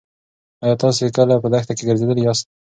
ایا تاسې کله په دښته کې ګرځېدلي یاست؟